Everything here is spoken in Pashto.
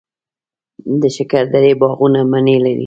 د شکردرې باغونه مڼې لري.